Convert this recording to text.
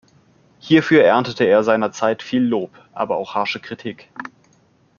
Hierfür erntete er seiner Zeit viel Lob, aber auch harsche Kritik.